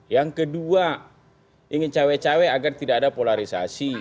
yang kedua ingin cawe cawe agar tidak ada polarisasi